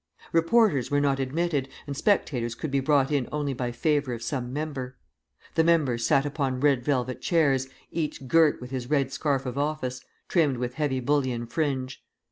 Reporters were not admitted, and spectators could be brought in only by favor of some member. The members sat upon red velvet chairs, each girt with his red scarf of office, trimmed with heavy bullion fringe.